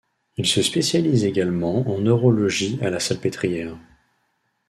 Il se spécialise également en neurologie à la Salpêtrière.